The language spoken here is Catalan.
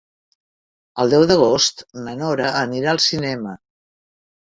El deu d'agost na Nora anirà al cinema.